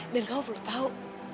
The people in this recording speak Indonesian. dan kau perlu tahu